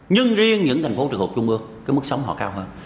nhưng riêng những thành phố trường hợp trung ương cái mức sống họ cao hơn